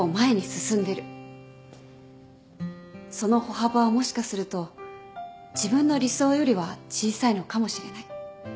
その歩幅はもしかすると自分の理想よりは小さいのかもしれない。